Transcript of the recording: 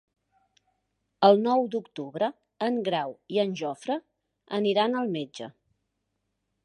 El nou d'octubre en Grau i en Jofre aniran al metge.